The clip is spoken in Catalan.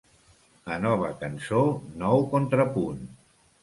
A nova cançó, nou contrapunt.